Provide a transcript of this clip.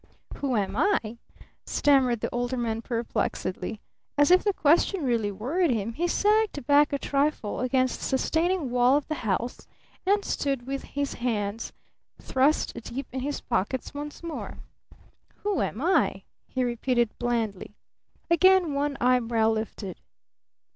"Who am I?" stammered the Older Man perplexedly. As if the question really worried him, he sagged back a trifle against the sustaining wall of the house, and stood with his hands thrust deep in his pockets once more. "Who am I?" he repeated blandly. Again one eyebrow lifted.